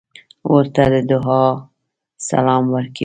ورور ته د دعا سلام ورکوې.